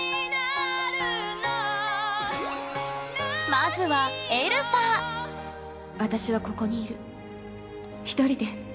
まずは私はここにいる１人で。